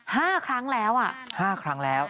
ห้าครั้งแล้วอ่ะห้าครั้งแล้ว